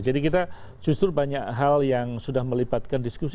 jadi kita justru banyak hal yang sudah melibatkan diskusi